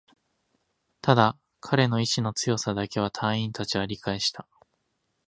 ただ、彼の意志の強さだけは隊員達は理解した